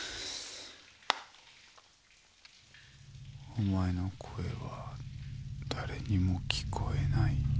お前の声は誰にも聞こえない？